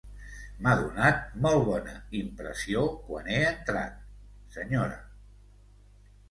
M'ha donat molt bona impressió quan he entrat, senyora.